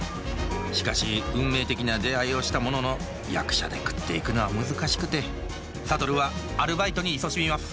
しかし運命的な出会いをしたものの役者で食っていくのは難しくて諭はアルバイトにいそしみます